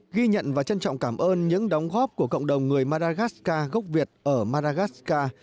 ghi nhận và trân trọng cảm ơn những đóng góp của cộng đồng người madagascar gốc việt ở madagascar